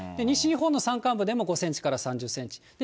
西日本の山間部でも５センチから３０センチ。